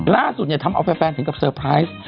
ท่านสุดเนี่ยทำเอาไปแฟนถึงกับเซอร์ไพรส์